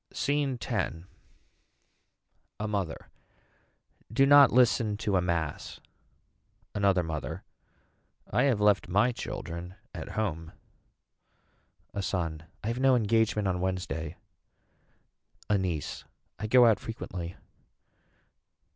SCENE X. A mother. Do not listen to a mass. Another mother. I have left my children at home. A son. I have no engagement on Wednesday. A niece. I go out frequently.